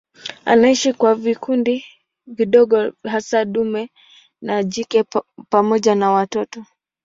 Anaishi kwa vikundi vidogo hasa dume na jike pamoja na watoto.